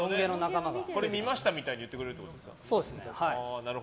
これ見ましたみたいに言ってくれるってことですか。